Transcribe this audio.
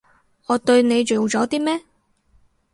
我對你做咗啲咩？